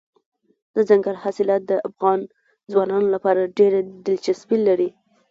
دځنګل حاصلات د افغان ځوانانو لپاره ډېره دلچسپي لري.